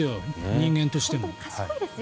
人間としても。